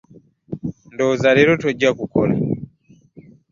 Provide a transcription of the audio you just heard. Ndowooza leero tojja kukola.